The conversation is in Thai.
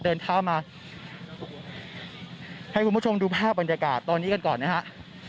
เดินเท้ามาให้คุณผู้ชมดูภาพบรรยากาศตอนนี้กันก่อนนะครับ